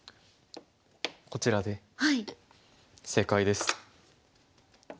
こちらで正解です。